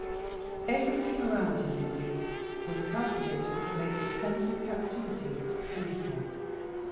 Everything around him, indeed, was calculated to make the sense of captivity painful.